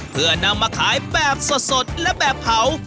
เพื่อนำมาขายแบบสดและแบบเผา